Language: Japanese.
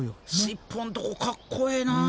尻尾んとこかっこええな。